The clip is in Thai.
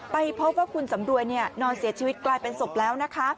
ไปพบว่าคุณสำรวยนอนเสียชีวิตกลายเป็นศพแล้วนะคะ